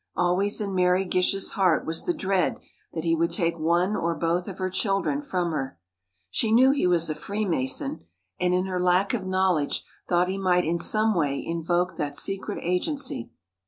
Always in Mary Gish's heart was the dread that he would take one or both of her children from her. She knew he was a Freemason, and in her lack of knowledge, thought he might in some way invoke that secret agency.